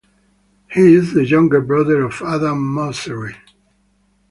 He is the younger brother of Adam Mosseri.